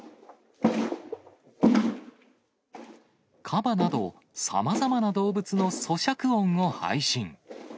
カバなど、さまざまな動物のそしゃく音を配信。